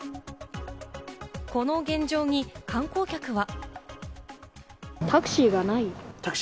この現状に観光客は。